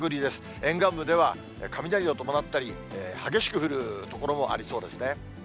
沿岸部では雷を伴ったり、激しく降る所もありそうですね。